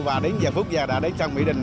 và đến giờ phúc già đã đến sang mỹ đình